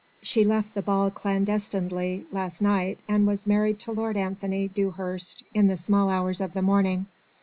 She left the ball clandestinely last night, and was married to Lord Anthony Dewhurst in the small hours of the morning.